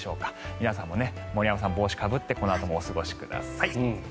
皆さんも森山さんも帽子をかぶってこのあともお過ごしください。